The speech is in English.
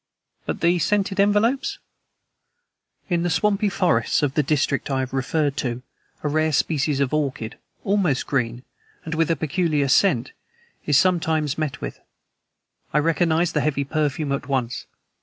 "But the scented envelopes?" "In the swampy forests of the district I have referred to a rare species of orchid, almost green, and with a peculiar scent, is sometimes met with. I recognized the heavy perfume at once.